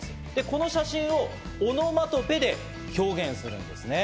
この写真をオノマトペで表現するんですね。